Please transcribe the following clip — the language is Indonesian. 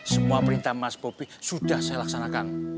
semua perintah mas bobi sudah saya laksanakan